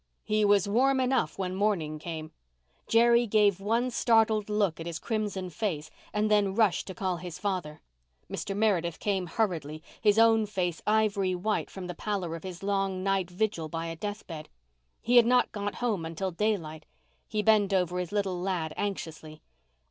He was warm enough when morning came. Jerry gave one startled look at his crimson face and then rushed to call his father. Mr. Meredith came hurriedly, his own face ivory white from the pallor of his long night vigil by a death bed. He had not got home until daylight. He bent over his little lad anxiously.